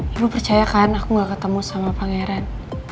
ibu percaya kan aku gak ketemu sama pangeran